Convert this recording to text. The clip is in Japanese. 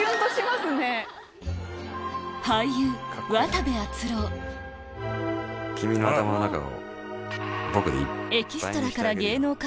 俳優君の頭の中を。